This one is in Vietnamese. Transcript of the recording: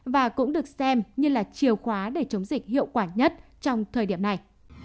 và cũng được xem như là chiều khóa để chống dịch hiệu quả nhất trong thời điểm này